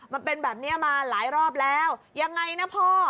มันเป็นแบบนี้มาหลายรอบแล้วยังไงนะพ่อ